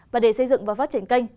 và để xây dựng và phát triển kênh